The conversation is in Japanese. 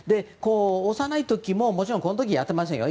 幼い時ももちろんこの時はやってませんよ。